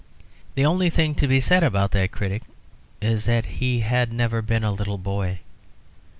The only thing to be said about that critic is that he had never been a little boy.